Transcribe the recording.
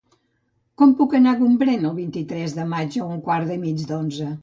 Com puc anar a Gombrèn el vint-i-tres de maig a un quart i mig d'onze?